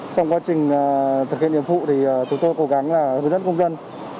trong quá trình thực hiện nhiệm vụ thì chúng tôi cố gắng là hướng dẫn công dân